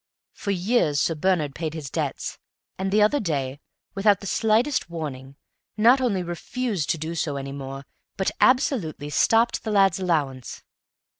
For years Sir Bernard paid his debts, and the other day, without the slightest warning, not only refused to do so any more, but absolutely stopped the lad's allowance.